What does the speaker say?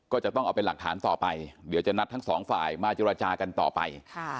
ก็จะต้องเอาเป็นหลักฐานต่อไปเดี๋ยวจะนัดทั้งสองฝ่ายมาเจรจากันต่อไป